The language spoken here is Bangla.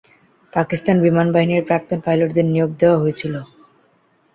পাকিস্তান বিমান বাহিনীর প্রাক্তন পাইলটদের নিয়োগ দেওয়া হয়েছিল।